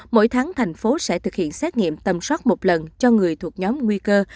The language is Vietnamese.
mỗi tháng thành phố sẽ thực hiện xét nghiệm tầm soát một lần cho người thuộc nhóm nguy cơ